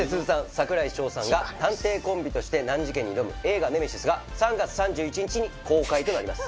櫻井翔さんが探偵コンビとして難事件に挑む映画『ネメシス』が３月３１日に公開となります。